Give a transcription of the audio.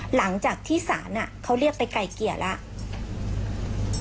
หลังจากที่ศาลเขาเรียกไปไกลเกลี่ยแล้ว